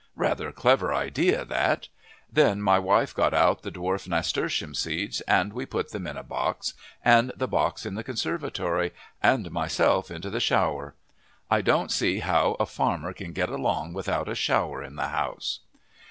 Rather clever idea, that. Then my wife got out the dwarf nasturtium seeds and we put them in a box, and the box in the conservatory, and myself into the shower. I don't see how a farmer can get along without a shower in the house.